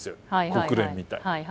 国連みたいな。